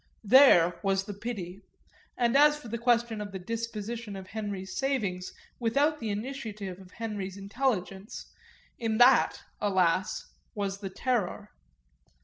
There was the pity; and as for the question of the disposition of Henry's savings without the initiative of Henry's intelligence, in that, alas, was the terror.